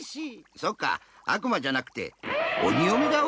そっかあくまじゃなくておによめだわ。